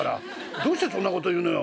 どうしてそんなこと言うのよ』。